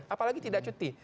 apalagi tidak cuti